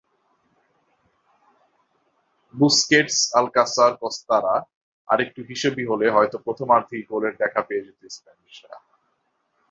বুস্কেটস-আলকাসার-কস্তারা আরেকটু হিসেবি হলে হয়তো প্রথমার্ধেই গোলের দেখা পেয়ে যেত স্প্যানিশরা।